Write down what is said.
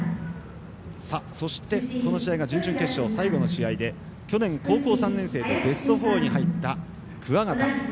そしてこの試合が準々決勝最後の試合で去年、高校３年生でベスト４に入った桑形。